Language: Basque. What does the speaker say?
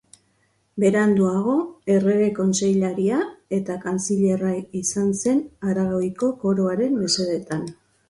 Beranduago, errege kontseilaria eta kantzilerra izan zen Aragoiko koroaren mesedetan.